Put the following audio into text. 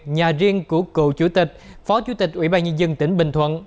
nhà riêng của cựu chủ tịch phó chủ tịch ủy ban nhân dân tỉnh bình thuận